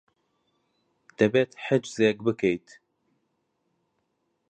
دەبێت حجزێک بکەیت.